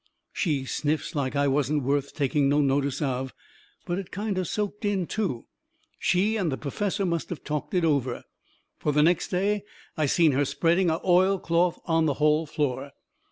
She sniffs like I wasn't worth taking no notice of. But it kind o' soaked in, too. She and the perfessor must of talked it over. Fur the next day I seen her spreading a oilcloth on the hall floor.